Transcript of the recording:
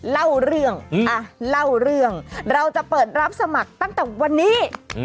เล่าเรื่องเราจะเปิดรับสมัครตั้งแต่วันนี้